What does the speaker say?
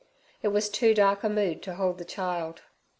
It was too dark a mood to hold the child.